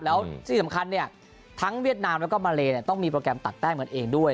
แล้วที่สำคัญเนี่ยทั้งเวียดนามแล้วก็มาเลต้องมีโปรแกรมตัดแต้มกันเองด้วย